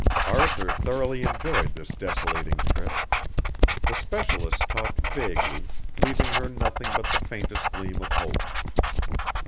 Arthur thoroughly enjoyed this desolating trip. The specialist talked vaguely, leaving her nothing but the faintest gleam of hope.